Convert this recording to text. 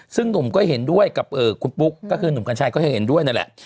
ซึ่งหนุ่มก็เห็นด้วยกับคุณปุ๊กก็คือหนุ่มกัญชัยก็จะเห็นด้วยนั่นแหละ